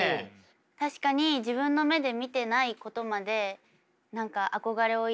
確かに自分の目で見てないことまで何か憧れを抱いていたり。